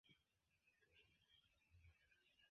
Kelkaj modeloj eniris la civilan uzon.